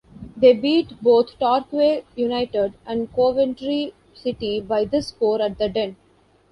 They beat both Torquay United and Coventry City by this score at The Den.